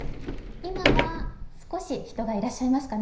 今は少し人がいらっしゃいますかね。